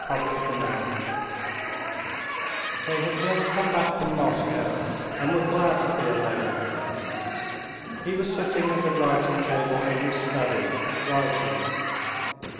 Chapter 15 They had just come back from Moscow, and were glad to be alone. He was sitting at the writing table in his study, writing.